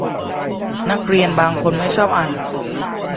นักเรียนบางคนไม่ชอบอ่านหนังสือ